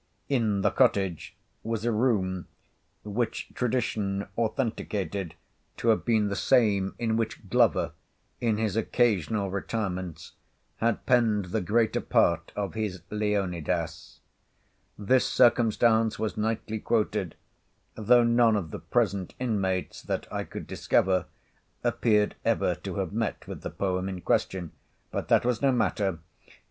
In the cottage was a room, which tradition authenticated to have been the same in which Glover, in his occasional retirements, had penned the greater part of his Leonidas. This circumstance was nightly quoted, though none of the present inmates, that I could discover, appeared ever to have met with the poem in question. But that was no matter.